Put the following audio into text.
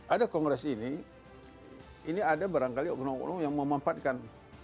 ada kongres ini ini ada barangkali orang orang yang memanfaatkan